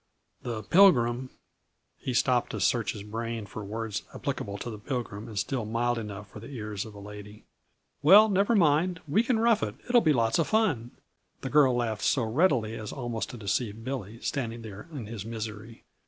The Pilgrim " He stopped to search his brain for words applicable to the Pilgrim and still mild enough for the ears of a lady. "Well, never mind. We can rough it it will be lots of fun!" the girl laughed so readily as almost to deceive Billy, standing there in his misery.